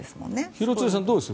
廣津留さんどうです？